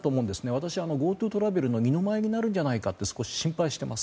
私はＧｏＴｏトラベルの二の舞になるんじゃないかと少し心配しています。